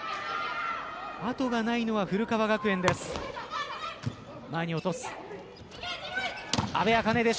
後がないのは古川学園です。